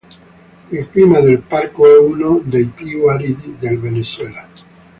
Il clima del parco è uno dei più aridi del Venezuela.